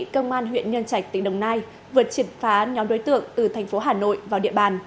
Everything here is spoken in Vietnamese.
công an huyện nhân trạch tỉnh đồng nai vừa triệt phá nhóm đối tượng từ thành phố hà nội vào địa bàn